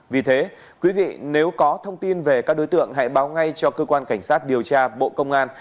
vì thế quý vị nếu có thông tin về các đối tượng hãy báo ngay cho cơ quan cảnh sát điều tra bộ công an